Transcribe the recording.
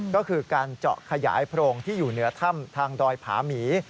ก็คือการเจาะขยายโพรงที่อยู่เหนือถ้ำทางดอยผาหมี